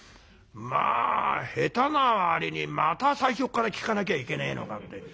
まあ下手な割にまた最初っから聴かなきゃいけねえのかって。